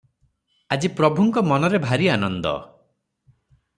ଆଜି ପ୍ରଭୁଙ୍କ ମନରେ ଭାରି ଆନନ୍ଦ ।